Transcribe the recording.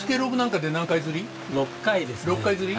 ６回刷り。